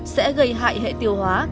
sẽ gây hại hệ tiêu hóa